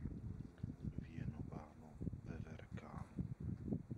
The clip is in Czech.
Věnováno Veverkám.